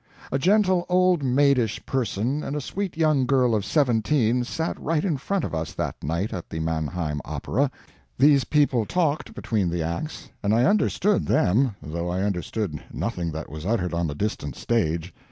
A gentle, old maidish person and a sweet young girl of seventeen sat right in front of us that night at the Mannheim opera. These people talked, between the acts, and I understood them, though I understood nothing that was uttered on the distant stage.